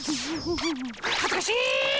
はずかしっ！